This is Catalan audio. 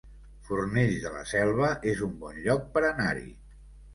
Fornells de la Selva es un bon lloc per anar-hi